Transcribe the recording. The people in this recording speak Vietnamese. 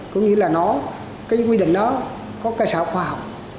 có nghĩa là nó cái quy định đó có cơ sở khoa học